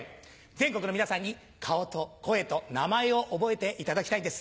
全国の皆さんに顔と声と名前を覚えていただきたいんです。